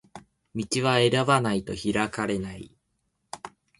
道は選ばないと開かれない